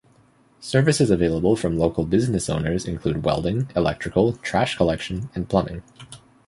Services available from local business owners include welding, electrical, trash collection, and plumbing.